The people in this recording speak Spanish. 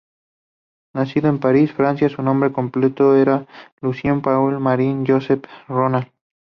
Nacido en París, Francia, su nombre completo era Lucien Paul Marie-Joseph Rolland.